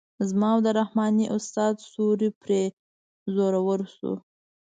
زما او د رحماني استاد ستوری پرې زورور شو.